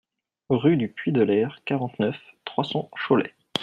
Rue du Puits de l'Aire, quarante-neuf, trois cents Cholet